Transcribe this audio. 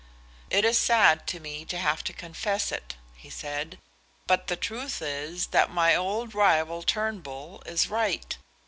"It is sad to me to have to confess it," he said, "but the truth is that my old rival, Turnbull, is right.